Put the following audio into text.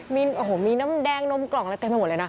มีน้ำแดงน้มกล่องอะไรเต็มไปหมดเลยนะ